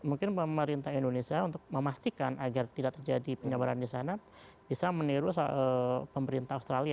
mungkin pemerintah indonesia untuk memastikan agar tidak terjadi penyebaran di sana bisa meniru pemerintah australia